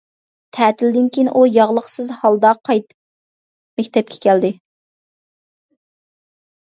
تەتىلدىن كېيىن ئۇ ياغلىقسىز ھالدا قايتىپ مەكتەپكە كەلدى.